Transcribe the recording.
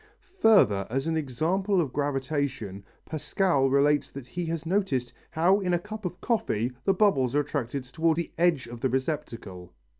Further, as an example of gravitation, Pascal relates that he has noticed how in a cup of coffee the bubbles are attracted toward the edge of the receptacle.